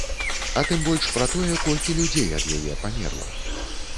А тым больш пра тое, колькі людзей ад яе памерла.